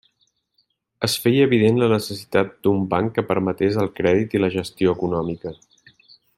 Es feia evident la necessitat d'un banc que permetés el crèdit i la gestió econòmica.